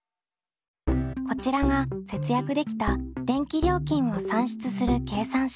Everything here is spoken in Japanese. こちらが節約できた電気料金を算出する計算式。